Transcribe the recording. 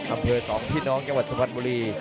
อำเภอ๒พี่น้องจังหวัดสุพรรณบุรี